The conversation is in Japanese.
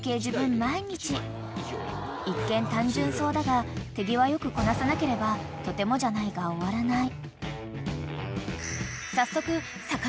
［一見単純そうだが手際よくこなさなければとてもじゃないが終わらない］